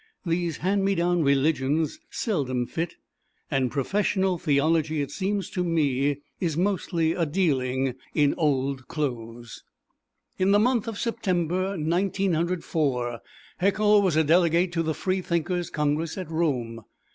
These hand me down religions seldom fit, and professional theology, it seems to me, is mostly a dealing in ol' clo'. In the month of September, Nineteen Hundred Four, Haeckel was a delegate to the Freethinkers' Congress at Rome.